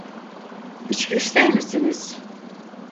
İçki ister misiniz?